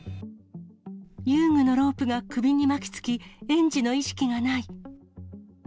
遊具のロープが首に巻きつき、園児の意識がない。